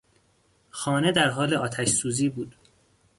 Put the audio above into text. خانه در حال آتشسوزی بود.